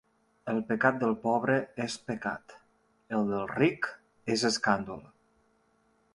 El pecat del pobre és pecat, el del ric és escàndol.